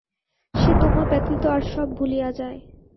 সে তোমা ব্যতীত আর সব ভুলিয়া যায়।